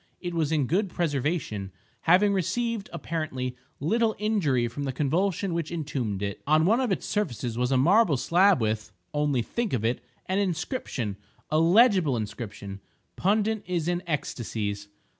It was in good preservation, having received, apparently, little injury from the convulsion which entombed it. On one of its surfaces was a marble slab with (only think of it!) an inscription—a legible inscription. Pundit is in ecstacies.